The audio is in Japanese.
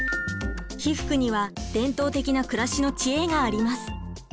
被服には伝統的な暮らしの知恵があります。